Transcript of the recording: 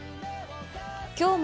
きょうも